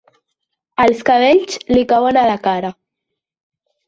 Els cabells li cauen a la cara.